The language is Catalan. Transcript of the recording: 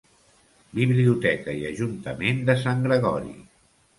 Biblioteca i Ajuntament de Sant Gregori.